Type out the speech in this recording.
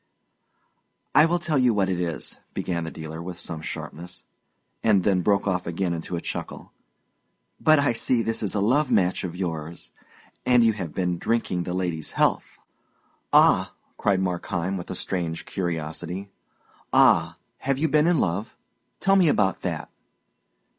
"I will tell you what it is," began the dealer, with some sharpness, and then broke off again into a chuckle. "But I see this is a love match of yours, and you have been drinking the lady's health." "Ah!" cried Markheim, with a strange curiosity. "Ah, have you been in love? Tell me about that."